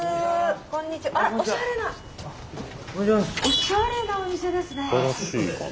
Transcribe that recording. おしゃれなお店ですね。